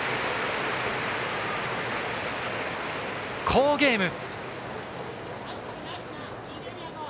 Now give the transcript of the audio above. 好ゲーム！